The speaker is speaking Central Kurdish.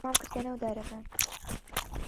ڕامکردە ناو دارەکان.